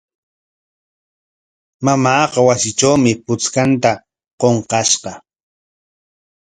Mamaaqa wasitrawmi puchkanta qunqashqa.